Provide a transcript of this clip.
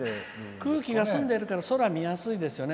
空気が澄んでるから空、見やすいですよね。